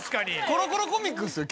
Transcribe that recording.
『コロコロコミック』ですよ